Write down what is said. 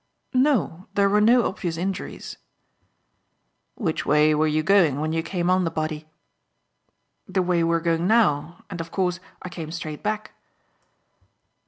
"No. There were no obvious injuries." "Which way were you going when you came on the body?" "The way we are going now, and, of course, I came straight back."